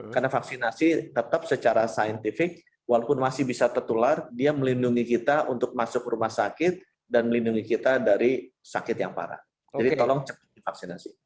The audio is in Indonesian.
karena vaksinasi tetap secara saintifik walaupun masih bisa tertular dia melindungi kita untuk masuk rumah sakit dan melindungi kita dari sakit yang parah jadi tolong cepat vaksinasi